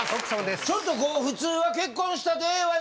ちょっとこう普通は結婚したてはね